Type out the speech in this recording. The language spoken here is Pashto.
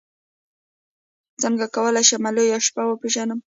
څنګه کولی شم لویه شپه وپېژنم